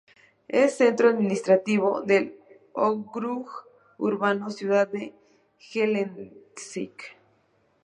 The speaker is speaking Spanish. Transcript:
Es centro administrativo del ókrug urbano Ciudad de Gelendzhik.